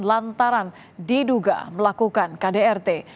lantaran diduga melakukan kdrt